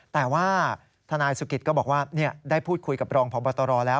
แต่ว่าทนายสุกิตก็บอกว่าได้พูดคุยกับรองพบตรแล้ว